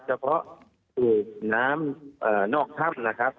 เฉพาะสูบน้ำนอกถ้ำนะครับ